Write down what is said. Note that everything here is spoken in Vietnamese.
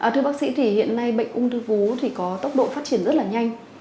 thưa bác sĩ hiện nay bệnh ung thư vú có tốc độ phát triển rất nhanh